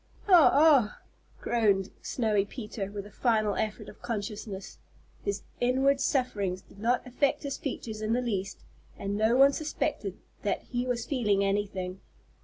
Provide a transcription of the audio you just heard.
"Oh, oh!" groaned Snowy Peter, with a final effort of consciousness. His inward sufferings did not affect his features in the least, and no one suspected that he was feeling anything.